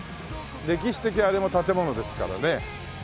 歴史的あれも建物ですからね。